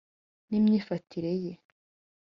n'imyifatire ye: